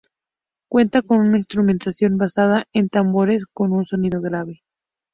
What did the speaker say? Cuenta con una instrumentación basada en tambores con un sonido grave.